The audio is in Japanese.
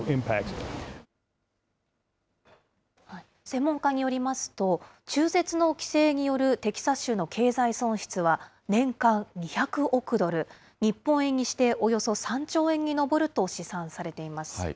専門家によりますと、中絶の規制によるテキサス州の経済損失は、年間２００億ドル、日本円にしておよそ３兆円に上ると試算されています。